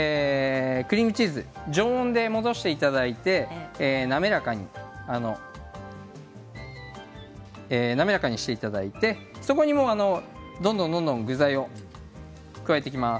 クリームチーズ常温で戻していただいて滑らかにしていただいて、そこにもう、どんどん具材を加えていきます。